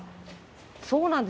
そうなんです。